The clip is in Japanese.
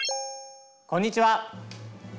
こんにちは。